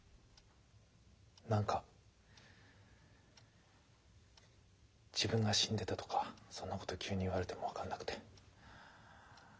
何か自分が死んでたとかそんなこと急に言われても分かんなくて。